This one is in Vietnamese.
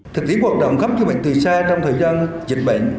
thực tế cuộc đoạn khám chữa bệnh từ xa trong thời gian dịch bệnh